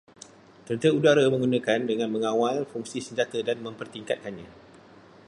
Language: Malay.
Tentera udara menggunakan dengan mengawal fungsi senjata dan mempertingkatkannya